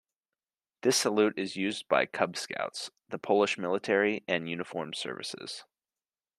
This salute is used by Cub Scouts, the Polish military, and uniformed services.